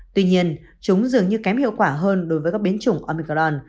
tuy nhiên chúng dường như kém hiệu quả hơn đối với các biến chủng omicron